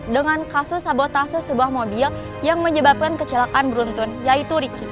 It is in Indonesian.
dengan kasus sabotase sebuah mobil yang menyebabkan kecelakaan beruntun yaitu riki